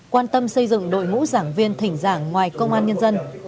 quan tâm xây dựng đội ngũ giảng viên thỉnh giảng ngoài công an nhân dân